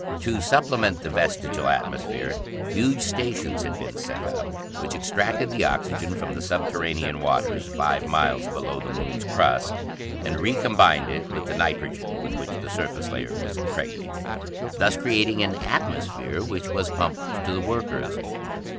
To supplement the vestigial atmosphere, huge stations had been set up, which extracted the oxygen from the subterranean waters five miles below the Moon's crust, and recombined it with the nitrogen with which the surface layer was impregnated, thus creating an atmosphere which was pumped to the workers.